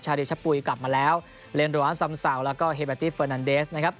ชาลิวชะปุยกลับมาแล้วเรนดรมท์ซำซาวแล้วก็เฮบแอตติฟเฟอร์นันเดสนะครับ